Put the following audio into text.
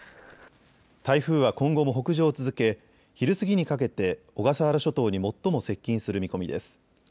台風は今後も北上を続け昼過ぎにかけて小笠原諸島に最も接近する見込みです。